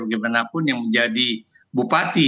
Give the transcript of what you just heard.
bagaimanapun yang menjadi bupati